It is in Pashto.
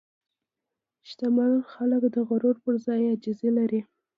شتمن خلک د غرور پر ځای عاجزي لري.